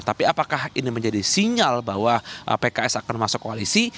tapi apakah ini menjadi sinyal bahwa pks akan masuk koalisi